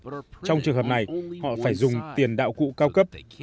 trong trường hợp này họ phải dùng tiền đạo cụ cao cấp